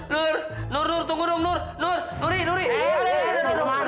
nur tunggu dong nur nur nur nur nur